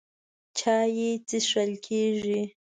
چای څښل کېږي.